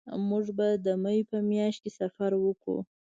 مونږ به د مې په میاشت کې سفر وکړو